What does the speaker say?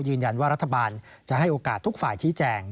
ยืนยันว่ารัฐบาลให้โอกาสทุกฝ่ายฐี้แจ่ง